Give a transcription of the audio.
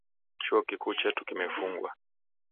Chuo kikuu chetu kimefungwa.